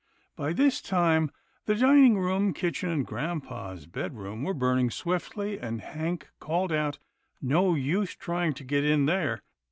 By this time, the dining room, kitchen, and grampa's bed room were burning swiftly, and Hank called out, " No use trying to get in there.